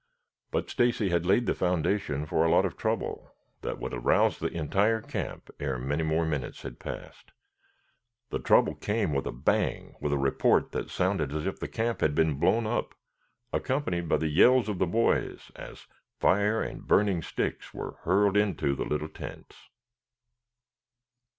But Stacy had laid the foundation for a lot of trouble that would arouse the entire camp ere many more minutes had passed. The trouble came with a bang, with a report that sounded as if the camp had been blown up, accompanied by the yells of the boys as fire and burning sticks were hurled into the little tents.